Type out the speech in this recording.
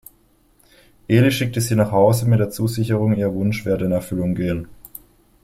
Eli schickte sie nach Hause mit der Zusicherung, ihr Wunsch werde in Erfüllung gehen.